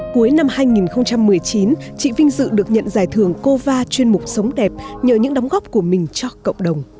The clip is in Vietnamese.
cuối năm hai nghìn một mươi chín chị vinh dự được nhận giải thưởng cova chuyên mục sống đẹp nhờ những đóng góp của mình cho cộng đồng